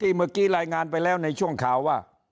เมื่อกี้รายงานไปแล้วในช่วงข่าวว่า